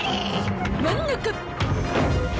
真ん中。